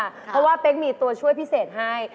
เพราะว่าเป๊กมีตัวช่วยพิเศษให้